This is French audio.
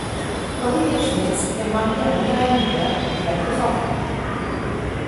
Olivier Schmitz est marié à Mireille Neuberg et a deux enfants.